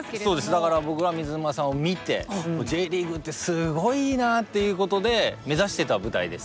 だから僕は水沼さんを見てＪリーグってすごいいいなっていうことで目指してた舞台ですから。